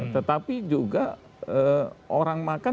tetapi juga orang makan